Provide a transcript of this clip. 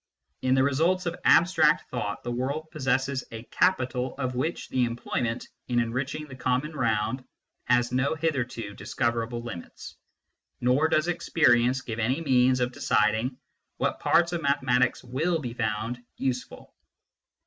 In the results of abstract thought the world possesses a capital of which the employment in enriching the common round has no hitherto discoverable limits. Nor does experience give any means of deciding what parts of mathematics will be found useful.